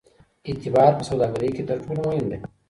اعتبار په سوداګرۍ کې تر ټولو مهم دی.